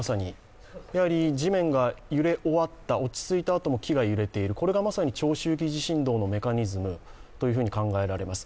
地面が揺れ終わった落ち着いたあとも揺れが続いているこれがまさに長周期地震動のメカニズムと考えられます。